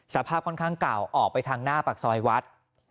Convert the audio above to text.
สภาพค่อนข้างเก่าออกไปทางหน้าปากซอยวัด